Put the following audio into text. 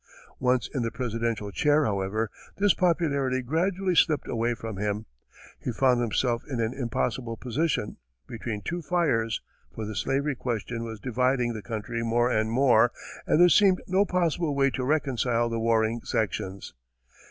Once in the presidential chair, however, this popularity gradually slipped away from him. He found himself in an impossible position, between two fires, for the slavery question was dividing the country more and more and there seemed no possible way to reconcile the warring sections.